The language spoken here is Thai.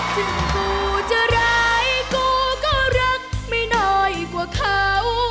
ซึ่งกูจะร้ายกูก็รักไม่น้อยกว่าเขา